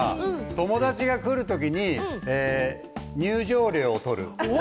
友達が来るときに、入場料を取る。